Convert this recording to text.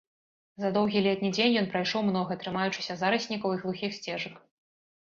За доўгі летні дзень ён прайшоў многа, трымаючыся зараснікаў і глухіх сцежак.